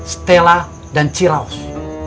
setelah dan cirawas